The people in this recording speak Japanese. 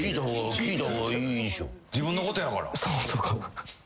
自分のことやから。